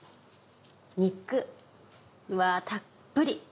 肉うわたっぷり。